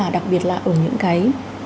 đặc biệt là ở những cái